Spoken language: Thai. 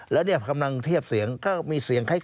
แล้วเนี่ยกำลังเทียบเสียงก็มีเสียงคล้าย